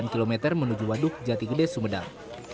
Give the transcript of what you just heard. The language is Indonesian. delapan km menuju waduk jatikede sumedang